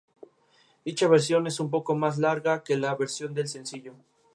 De aquí procede el ganado frisón, blanco y negro, y el caballo homónimo.